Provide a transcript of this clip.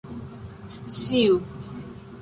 sciu